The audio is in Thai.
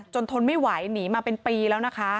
ทนไม่ไหวหนีมาเป็นปีแล้วนะคะ